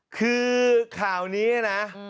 คือข่าวนี้นะ